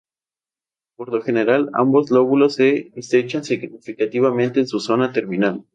Por lo general ambos lóbulos se estrechan significativamente en su zona terminal.